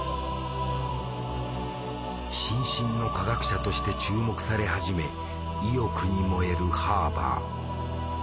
新進の化学者として注目され始め意欲に燃えるハーバー。